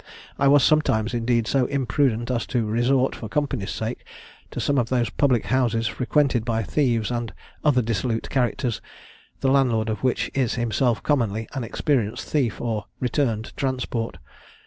I was sometimes, indeed, so imprudent as to resort, for company's sake, to some of those public houses frequented by thieves and other dissolute characters, the landlord of which is himself commonly an experienced thief, or returned transport.